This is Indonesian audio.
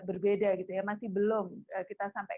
berbeda gitu ya masih belum kita sampai